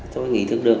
tôi nghĩ thức được